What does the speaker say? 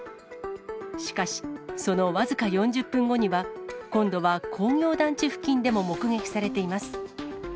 しかし、その僅か４０分後には、今度は工業団地付近でも目撃されています。